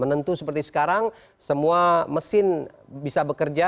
menentu seperti sekarang semua mesin bisa bekerja